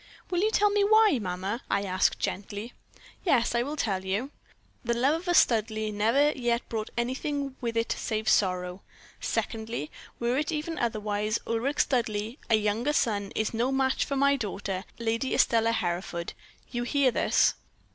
"'Will you tell me why, mamma?' I asked gently. "'Yes, I will tell you. The love of a Studleigh never yet brought anything with it save sorrow. Secondly, were it even otherwise, Ulric Studleigh, a younger son, is no match for my daughter, Lady Estelle Hereford. You hear this?'